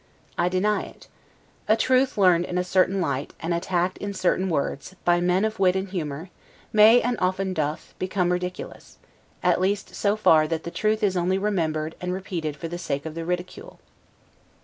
I deny it. A truth learned in a certain light, and attacked in certain words, by men of wit and humor, may, and often doth, become ridiculous, at least so far that the truth is only remembered and repeated for the sake of the ridicule.